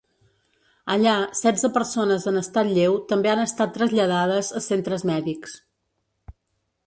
Allà, setze persones en estat lleu també han estat traslladades a centres mèdics.